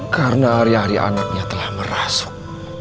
karena hari hari anaknya telah merasuk